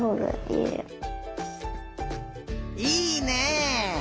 いいねえ！